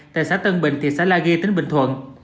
tại xã tân bình thị xã la ghi tỉnh bình thuận